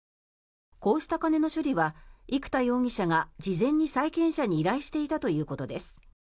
こうした金の処理は生田容疑者が事前に債権者に依頼していたということです。